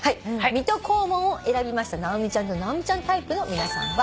「水戸黄門」を選びました直美ちゃんと直美ちゃんタイプの皆さんは。